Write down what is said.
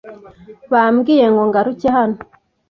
Bambwiye ngo ngaruke hano.